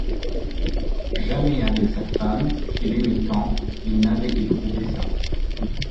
Jamais avec sa femme, qu’il aimait tant, il n’avait éprouvé ça.